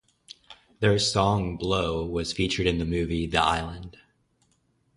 Their song "Blow" was featured in the movie "The Island".